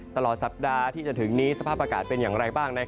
ตลอดสัปดาห์ที่จะถึงนี้สภาพอากาศเป็นอย่างไรบ้าง